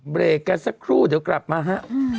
เบรกกันสักครู่เดี๋ยวกลับมาฮะ